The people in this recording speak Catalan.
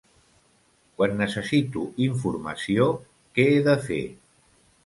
Quan necessito informació, què he de fer?